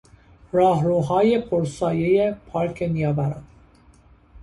راهروهای پر سایهی پارک نیاوران